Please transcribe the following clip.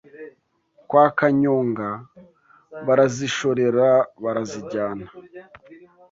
Kwa Kanyonga barazishorerabarazijyana